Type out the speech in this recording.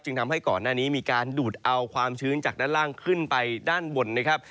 ทำให้ก่อนหน้านี้มีการดูดเอาความชื้นจากด้านล่างขึ้นไปด้านบนนะครับ